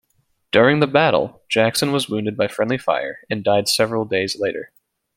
During the battle, Jackson was wounded by friendly fire and died several days later.